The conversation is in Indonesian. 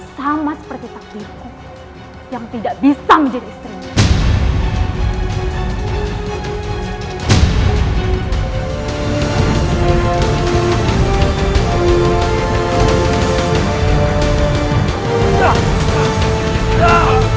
sama seperti takdir yang tidak bisa menjadi istrinya